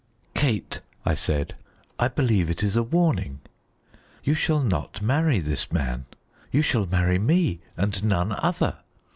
"Kate," I said, "I believe it is a warning. You shall not marry this man. You shall marry me, and none other."